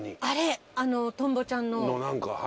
あれあのトンボちゃんの？